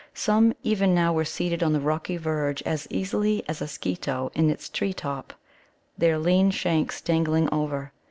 Some even now were seated on the rocky verge as easily as a Skeeto in its tree top, their lean shanks dangling over.